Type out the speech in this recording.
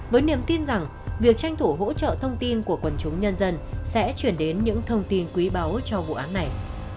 với niềm tin rằng việc tranh thủ hỗ trợ thông tin của quần chúng nhân dân sẽ chuyển đến những thông tin quý báu cho vụ án này